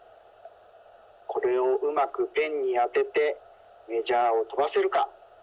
これをうまくペンにあててメジャーをとばせるか。